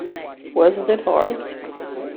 Wasn't it hard?